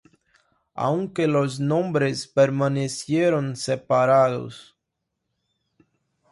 aunque los nombres permanecieron separados.